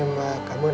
em cảm ơn anh